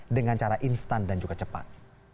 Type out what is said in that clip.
dengan cara instan dan juga cepat